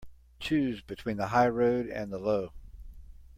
Choose between the high road and the low.